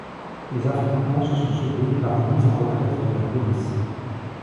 Les affrontements se sont soldés par une mise en retraite de la police.